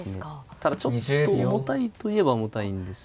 ただちょっと重たいといえば重たいんですね。